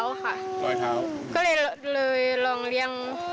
น้องคุณชอบแล้วเรียกว่า